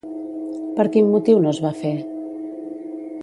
Per quin motiu no es va fer?